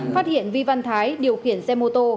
phát hiện vi văn thái điều khiển xe mô tô